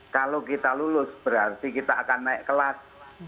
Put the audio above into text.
kalau kita lulus berarti kita akan naik kelas